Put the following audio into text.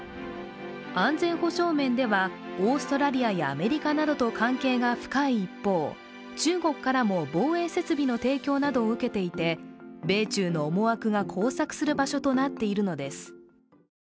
安全保障面ではオーストラリアやアメリカなどと関係が深い一方、中国からも防衛設備の提供などを受けていて米中の思惑が交錯する場所となっているのです。